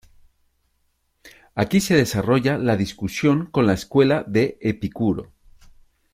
Aquí se desarrolla la discusión con la escuela de Epicuro.